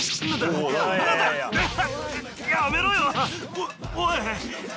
おっおい！